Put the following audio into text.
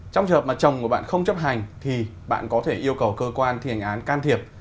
trong trường hợp mà chồng của bạn không chấp hành thì bạn có thể yêu cầu cơ quan thi hành án can thiệp